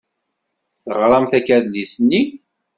Teɣṛamt akka adlis-nni?